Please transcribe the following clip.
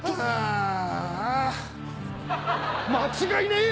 間違いねえ！